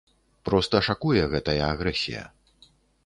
Проста шакуе гэтая агрэсія.